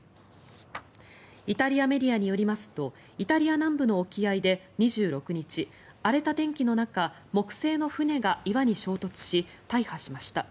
イタリアメディアによりますとイタリア南部の沖合で２６日荒れた天気の中、木製の船が岩に衝突し、大破しました。